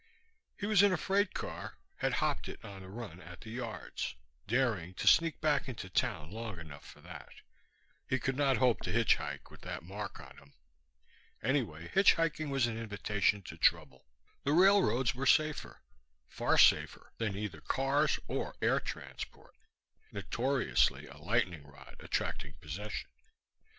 He was in a freight car had hopped it on the run at the yards, daring to sneak back into town long enough for that. He could not hope to hitchhike, with that mark on him. Anyway, hitchhiking was an invitation to trouble. The railroads were safer far safer than either cars or air transport, notoriously a lightning rod attracting possession.